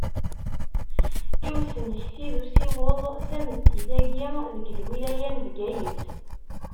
I usmekti d usiweḍ, tameddit-agi deg lwilaya n Bgayet.